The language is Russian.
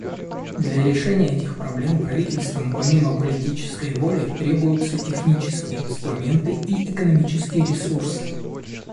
Для решения этих проблем правительствам помимо политической воли требуются технические инструменты и экономические ресурсы.